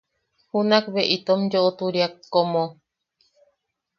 Junakbe itom yoʼoturiak como.